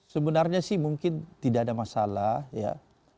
sebenarnya sih mungkin tidak ada masalah ya